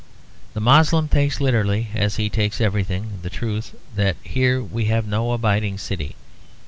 The Moslem takes literally, as he takes everything, the truth that here we have no abiding city.